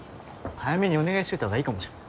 早めにお願いしといた方がいいかもじゃん。